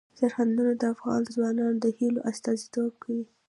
سرحدونه د افغان ځوانانو د هیلو استازیتوب کوي.